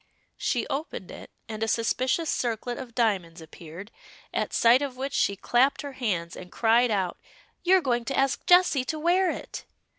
She opened it, and a suspicious circlet of diamonds appeared, at sight of which she clapped her hands, and cried out "You're going to ask Jessie to wear it!"